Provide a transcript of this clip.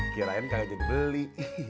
kirain kagak jadi beli